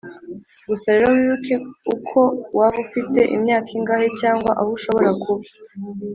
gusa rero wibuke, uko waba ufite imyaka ingahe cyangwa aho ushobora kuba ...